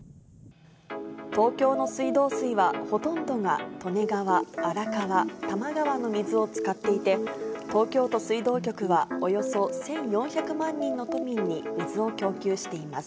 東京の水道水はほとんどが利根川、荒川、多摩川の水を使っていて、東京都水道局はおよそ１４００万人の都民に水を供給しています。